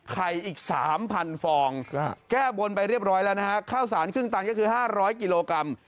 อีก๓๐๐ฟองแก้บนไปเรียบร้อยแล้วนะฮะข้าวสารครึ่งตันก็คือ๕๐๐กิโลกรัม